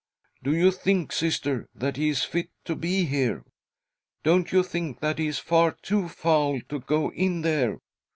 Do you think, Sister, that he is fit to be here ? Don't you think that he is far too foul to go in there